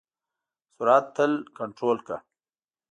سرعت تل کنټرول کړه.